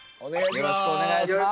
よろしくお願いします。